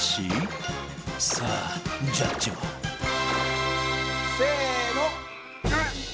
さあジャッジをせーの。